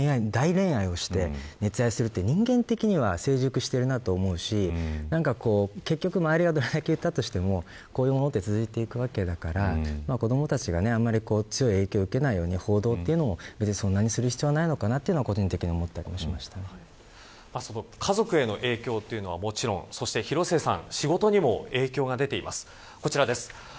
それだけ大恋愛をして熱愛をするって人間的には成熟しているなと思うし結局周りがどれだけ言ったとしてもこういうものは続いていくわけだから子どもたちがあんまり強い影響を受けないように報道そんなにする必要がないのかな家族への影響というのはもちろんそして広末さん